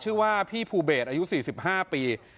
ชื่อว่าพี่ภูเบสอายุ๔๕ปี